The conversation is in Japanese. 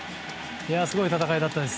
すごい戦いだったんです。